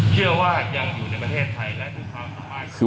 เชื่อว่ายังอยู่ในประเทศที่นั้น